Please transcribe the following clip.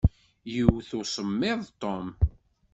Iwwet usemmiḍ Ṭum.